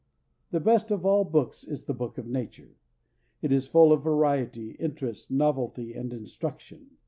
The best of all books is the book of nature. It is full of variety, interest, novelty, and instruction.